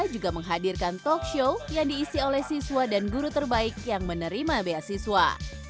juga menghadirkan talk show yang diisi oleh siswa dan guru terbaik yang menerima beasiswa